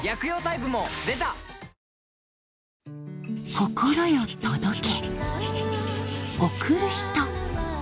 心よ届け